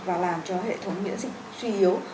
và làm cho hệ thống miễn dịch suy yếu